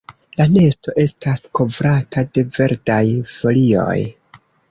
La nesto estas kovrata de verdaj folioj.